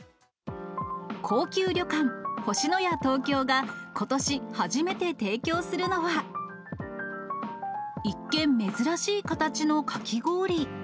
高級旅館、星のや東京がことし初めて提供するのは、一見、珍しい形のかき氷。